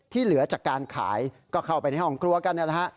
เหลือจากการขายก็เข้าไปในห้องครัวกันนะฮะ